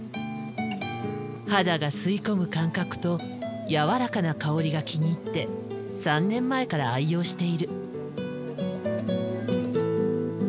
肌が吸い込む感覚とやわらかな香りが気に入って３年前から愛用している。